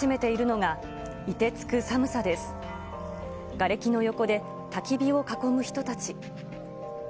がれきの横でたき火を囲む人たち。